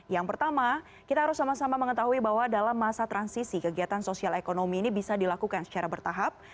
yang pertama kita harus sama sama mengetahui bahwa dalam masa transisi kegiatan sosial ekonomi ini bisa dilakukan secara bertahap